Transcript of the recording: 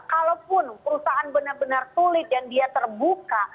kalaupun perusahaan benar benar sulit dan dia terbuka